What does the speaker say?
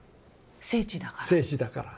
聖地だから。